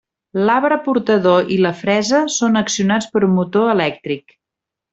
L'arbre portador i la fresa són accionats per un motor elèctric.